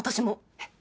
えっ？